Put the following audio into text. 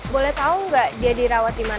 boleh tau gak dia dirawat dimana